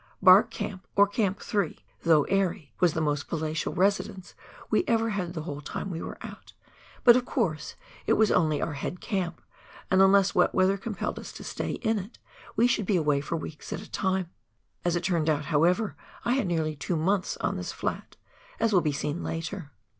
*'Bark" Camp, or Camp 3, though airy, was the most palatial residence we ever had the whole time we were out, but of course it was only our head camp, and unless wet weather compelled us to stay in it we should be away for weeks at a time. As it turned out, however, I had nearly two months on this flat, as will be seen later.